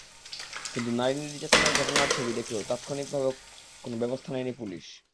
কিন্তু নারী নির্যাতনের ঘটনার ছবি দেখেও তাৎক্ষণিকভাবে কোনো ব্যবস্থা নেয়নি পুলিশ।